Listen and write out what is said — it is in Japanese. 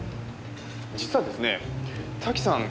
実はですねえ瀧さん